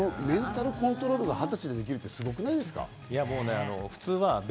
メンタルコントロールが２０歳でできるってすごくないですか？